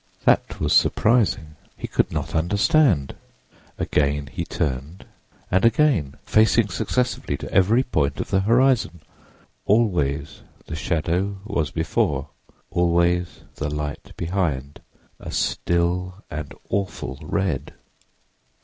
That was surprising; he could not understand. Again he turned, and again, facing successively to every point of the horizon. Always the shadow was before—always the light behind, "a still and awful red."